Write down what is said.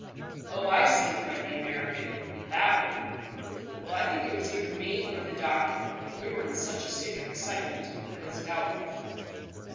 "Oh, I see," cried the American; "that one. Well, I think it was either me or the doctor, but we were in such a state of excitement that it's doubtful."